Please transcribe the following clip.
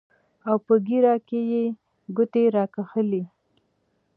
او پۀ ږيره کښې يې ګوتې راښکلې